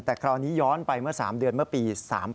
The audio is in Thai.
แต่คราวนี้ย้อนไปเมื่อ๓เดือนเมื่อปี๓๘